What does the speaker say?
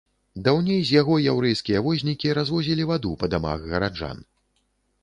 Даўней з яго яўрэйскія вознікі развозілі ваду па дамах гараджан.